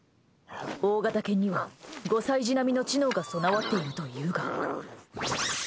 大型犬には５歳児並みの知能が備わっているというが。